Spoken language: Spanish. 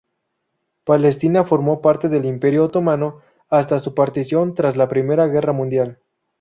Palestina formó parte del Imperio Otomano hasta su partición tras la I Guerra Mundial.